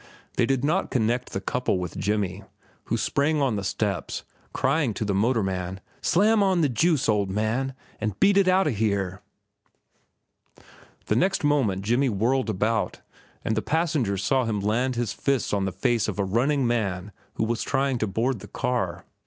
They did not connect the couple with Jimmy, who sprang on the steps, crying to the motorman: "Slam on the juice, old man, and beat it outa here!" The next moment Jimmy whirled about, and the passengers saw him land his fist on the face of a running man who was trying to board the car.